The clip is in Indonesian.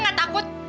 gue gak takut